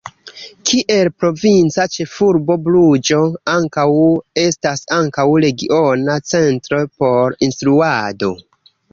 Kiel provinca ĉefurbo Bruĝo ankaŭ estas ankaŭ regiona centro por instruado.